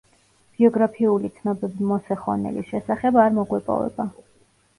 ბიოგრაფიული ცნობები მოსე ხონელის შესახებ არ მოგვეპოვება.